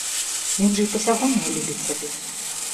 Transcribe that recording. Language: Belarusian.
Ён жа і па сягоння любіць цябе.